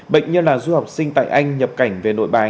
bệnh nhân là du học sinh tại anh nhập cảnh về nội bái